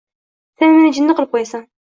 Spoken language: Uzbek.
Sen meni jinni qilib qo‘yasan!